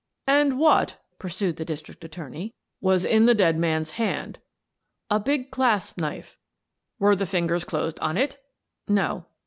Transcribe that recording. " And what," pursued the district attorney, " was in the dead man's hand ?"" A big clasp knife." " Were the fingers closed on it? "" No."